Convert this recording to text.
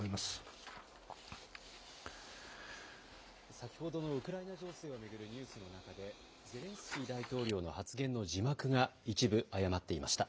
先ほどのウクライナ情勢を巡るニュースの中で、ゼレンスキー大統領の発言の字幕が一部誤っていました。